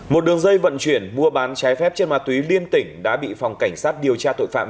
một đường dây vận chuyển mua bán trái phép trên ma túy liên tỉnh đã bị phòng cảnh sát điều tra tội phạm